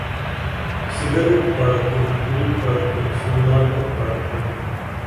Cigarette பழக்கம், குடிப் பழக்கம், சூதாட்டப் பழக்கம்.